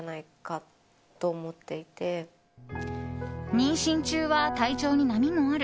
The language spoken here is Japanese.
妊娠中は体調に波もある。